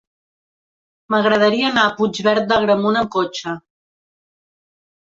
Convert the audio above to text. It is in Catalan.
M'agradaria anar a Puigverd d'Agramunt amb cotxe.